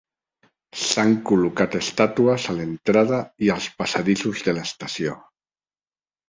S'han col·locat estàtues a l'entrada i als passadissos de l'estació.